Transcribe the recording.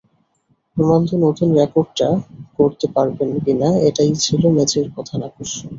Ronaldo নতুন রেকর্ডটা গড়তে পারবেন কিনা, এটাই ছিল ম্যাচের প্রধান আকর্ষণ।